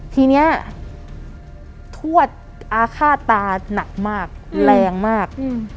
ทีนี้ทวดอาฆาตตาหนักมากแรงมาก